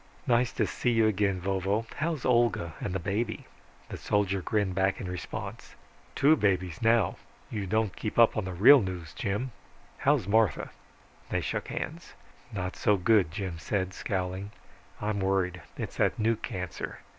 "Nice to see you again, Vovo. How're Olga and the baby?" The soldier grinned back in response. "Two babies now you don't keep up on the real news, Jim. How's Martha?" They shook hands. "Not so good," Jim said, scowling. "I'm worried. It's that new cancer.